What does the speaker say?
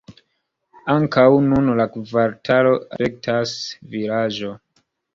Ankaŭ nun la kvartalo aspektas vilaĝo.